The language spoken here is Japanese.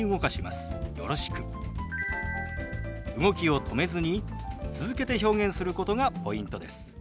動きを止めずに続けて表現することがポイントです。